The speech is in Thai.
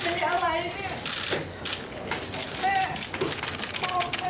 ที่เราต้องทำกันต่อไป